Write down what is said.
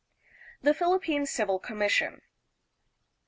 The Philippine Civil Commission.